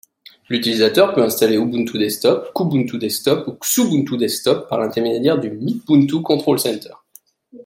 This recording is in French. L'utilisateur peut installer ubuntu-desktop, kubuntu-desktop, ou xubuntu-desktop par l'intermédiaire du Mythbuntu Control Center.